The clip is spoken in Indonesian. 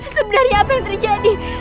sebenarnya apa yang terjadi